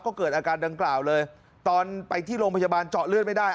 ก็เกิดอาการดังกล่าวเลยตอนไปที่โรงพยาบาลเจาะเลือดไม่ได้